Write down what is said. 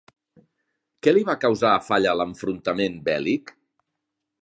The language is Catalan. Què li va causar a Falla l'enfrontament bèl·lic?